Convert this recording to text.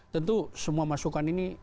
tentu semua masukan ini